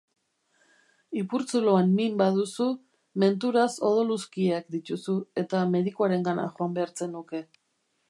Ipurtzuloan min baduzu, menturaz odoluzkiak dituzu eta medikuarengana joan behar zenuke.